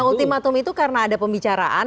ultimatum itu karena ada pembicaraan